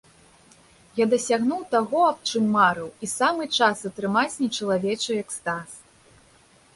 Я дасягнуў таго аб чым марыў і самы час атрымаць нечалавечы экстаз.